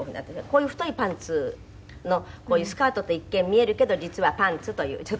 こういう太いパンツのこういうスカートと一見見えるけど実はパンツという。